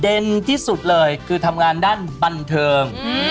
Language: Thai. ที่สุดเลยคือทำงานด้านบันเทิง